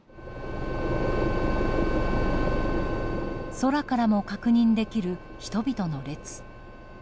空からも確認できる人々の列。